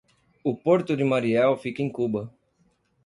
O Porto de Mariel fica em Cuba